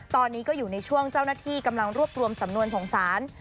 ตอนนี้ก็อยู่ในช่วงเจ้าหน้าที่กำลังรวบรวมสำนวนส่งสาร